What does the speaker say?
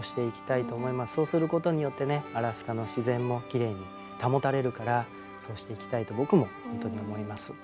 そうすることによってねアラスカの自然もきれいに保たれるからそうしていきたいと僕も本当に思います。